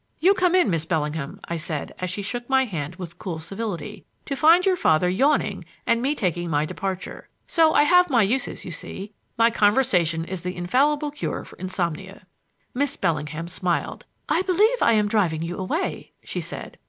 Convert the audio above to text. "You come in, Miss Bellingham," I said as she shook my hand with cool civility, "to find your father yawning and me taking my departure. So I have my uses, you see. My conversation is the infallible cure for insomnia." Miss Bellingham smiled. "I believe I am driving you away," she said.